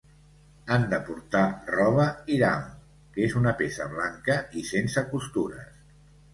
Han de portar roba Ihram, que es una peça blanca i sense costures.